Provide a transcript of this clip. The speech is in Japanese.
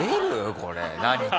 これ何か。